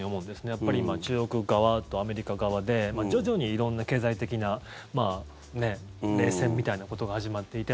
やっぱり今中国側とアメリカ側で徐々に色んな経済的な冷戦みたいなことが始まっていて